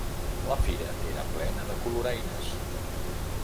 La fira era plena de coloraines.